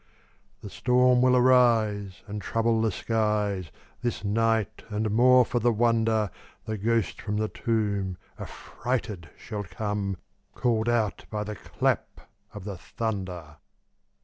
The storm will arise, And trouble the skies This night; and, more for the wonder, The ghost from the tomb Affrighted shall come, Call'd out by the clap of the thunder.